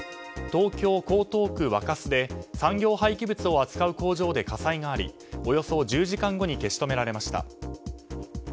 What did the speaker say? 東京・江東区若洲で産業廃棄物を扱う工場で火災がありおよそ１０時間後に消し止められました。